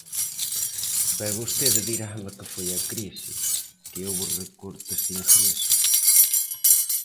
Pero vostede dirame que foi a crise, que houbo recortes de ingresos.